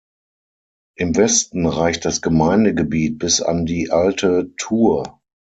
Im Westen reicht das Gemeindegebiet bis an die Alte Thur.